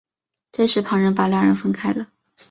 这时旁人把两人分开了。